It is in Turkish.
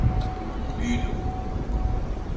Büyüdüm.